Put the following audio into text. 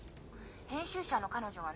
☎編集者の彼女がね